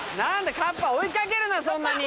カッパ追い掛けるなそんなに。